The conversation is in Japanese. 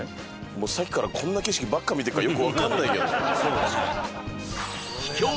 もうさっきからこんな景色ばっか見てるからよくわかんないけど。